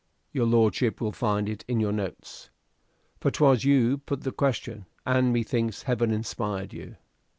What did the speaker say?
Your lordship will find it on your notes. For 'twas you put the question, and methinks Heaven inspired you.